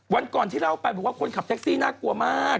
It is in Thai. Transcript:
วันก่อนที่เล่าไปบอกว่าคนขับแท็กซี่น่ากลัวมาก